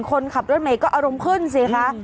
คนขับรถเมย์ก็อารมณ์ขึ้นสิคะ